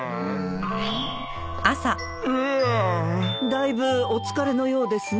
だいぶお疲れのようですね。